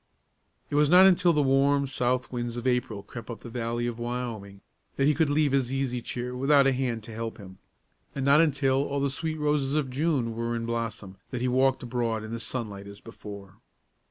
It was not until the warm, south winds of April crept up the valley of Wyoming, that he could leave his easy chair without a hand to help him; and not until all the sweet roses of June were in blossom that he walked abroad in the sunlight as before.